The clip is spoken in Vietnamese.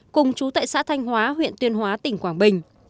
cùng chú tại xã thanh hóa huyện tuyên hóa tỉnh quảng bình